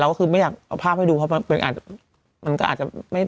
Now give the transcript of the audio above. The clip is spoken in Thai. แต่เราก็คือไม่อยากเอาภาพให้ดูเพราะว่ามันก็อาจจะไม่